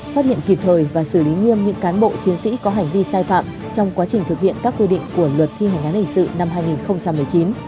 phát hiện kịp thời và xử lý nghiêm những cán bộ chiến sĩ có hành vi sai phạm trong quá trình thực hiện các quy định của luật thi hành án hình sự năm hai nghìn một mươi chín